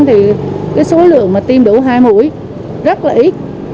thì cái số lượng mà tiêm đủ hai mũi rất là ít